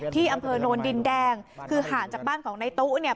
ที่อำเภอโนนดินแดงคือห่างจากบ้านของในตู้เนี่ย